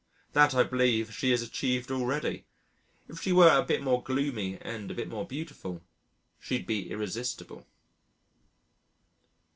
That I believe she has achieved already.... If she were a bit more gloomy and a bit more beautiful, she'd be irresistible.